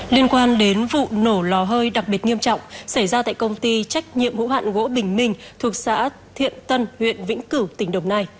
liên quan đến vụ nổ lò hơi đặc biệt nghiêm trọng xảy ra tại công ty trách nhiệm hữu hạn gỗ bình minh thuộc xã thiện tân huyện vĩnh cửu tỉnh đồng nai